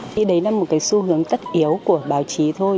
thì đấy là một cái xu hướng tất yếu của báo chí thôi